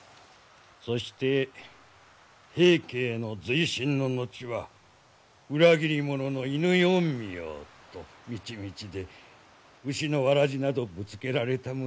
そして平家への随身の後は裏切り者の犬四位よと道々で牛のわらじなどぶつけられたものじゃ。